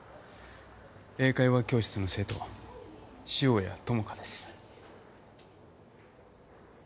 英会話教室の生徒潮谷友佳です。